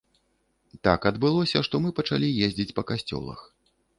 Так адбылося, што мы пачалі ездзіць па касцёлах.